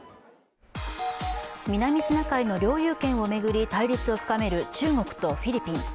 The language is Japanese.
南シナ海の領有権を巡り対立を深める中国とフィリピン。